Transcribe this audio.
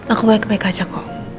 aku baik baik aja kok